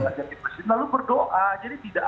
lalu berdoa jadi tidak